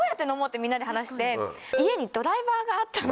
みんなで話して家にドライバーがあったので。